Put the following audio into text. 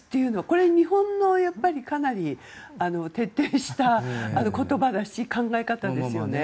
これは日本のかなり徹底した言葉だし考え方ですよね。